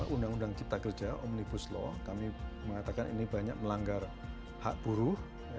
undang undang cipta kerja omnibus law kami mengatakan ini banyak melanggar hak buruh